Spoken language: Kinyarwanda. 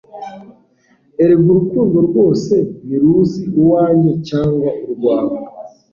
erega urukundo rwose ntiruzi 'uwanjye' cyangwa 'urwawe